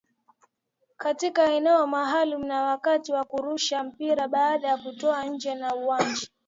katika eneo maalumu na wakati wa kurusha mpira baada ya kutoka nje ya uwanja